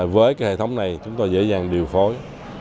với cái hệ thống này chúng tôi dễ dàng điều phối